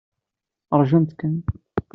Ṛjumt kan.